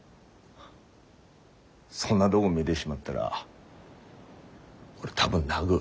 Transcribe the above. そんなどご見でしまったら俺多分泣ぐ。